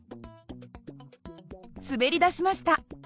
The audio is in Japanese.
滑りだしました。